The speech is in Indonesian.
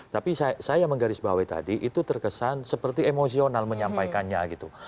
tapi saya menggarisbawahi tadi itu terkesan seperti emosional menyampaikannya gitu